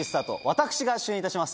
私が主演いたします